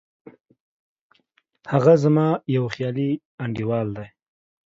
هغه زما یو خیالي انډیوال دی